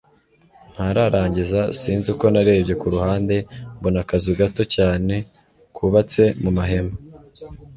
ntararangiza sinzi uko narebye kuruhande mbona akazu gato cyane kubatse mumahema